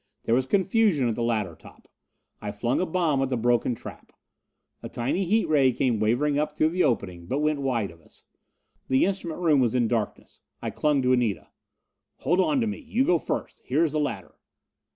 There was confusion at the ladder top. I flung a bomb at the broken trap. A tiny heat ray came wavering up through the opening, but went wide of us. The instrument room was in darkness. I clung to Anita. "Hold on to me! You go first here is the ladder."